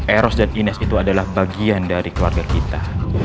eros dan ines itu adalah bagian dari keluarga kita